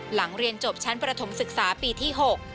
หลังเรียนจบชั้นประถมศึกษาปีที่๖